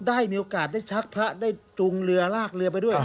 ได้มีโอกาสได้ชักพระได้จูงเรือลากเรือไปด้วย